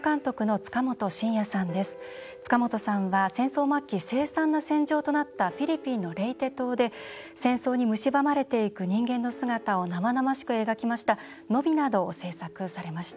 塚本さんは戦争末期凄惨な戦場となったフィリピンのレイテ島で戦争にむしばまれていく人間の姿を生々しく描きました「野火」などを製作されました。